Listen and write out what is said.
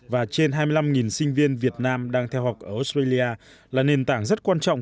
và trên hai mươi năm sinh viên việt nam đang theo học ở australia là nền tảng rất quan trọng